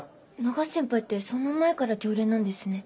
永瀬先輩ってそんな前から常連なんですね。